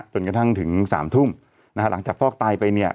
จนกระทั่งถึง๓ทุ่มหลังจากฟอกไตไปเนี่ย